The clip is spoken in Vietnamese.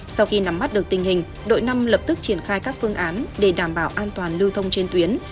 sau khi nắm mắt được tình hình đội năm lập tức triển khai các phương án để đảm bảo an toàn lưu thông trên tuyến